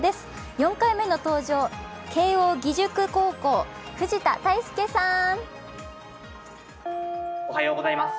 ４回目の登場、慶応義塾高校、藤田大将さん。